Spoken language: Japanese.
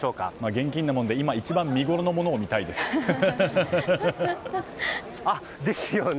現金なもので、今、一番見ごろのものを見たいです。ですよね！